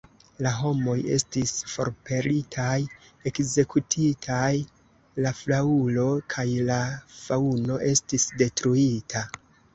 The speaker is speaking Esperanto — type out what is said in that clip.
La homoj estis forpelitaj, ekzekutitaj; la flaŭro kaj la faŭno estis detruita.